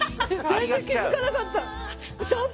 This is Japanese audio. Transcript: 全然気付かなかった。